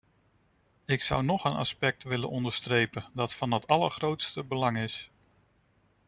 Ik zou nog een aspect willen onderstrepen dat van het allergrootste belang is.